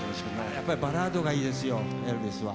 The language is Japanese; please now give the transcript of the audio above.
やっぱりバラードがいいですよエルビスは。